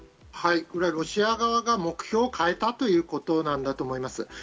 ロシア側が目標を変えたということなんだと思います。